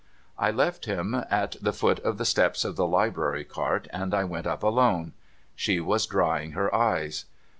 I left him at the foot of the steps of the Library Cart, and I went np alone. She was drying her eyes.